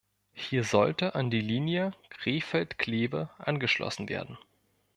Hier sollte an die Linie Krefeld−Kleve angeschlossen werden.